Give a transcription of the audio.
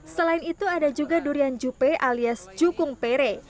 selain itu ada juga durian juppe alias jukung pere